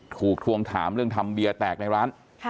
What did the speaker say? ทวงถามเรื่องทำเบียร์แตกในร้าน